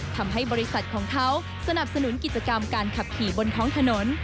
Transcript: ทำให้บริษัทของเขาสนับสนุนกิจกรรมการขับขี่บนท้องถนน